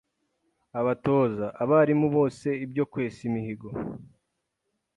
Abatoza: Abarimu bose ibyo kwesa imihigo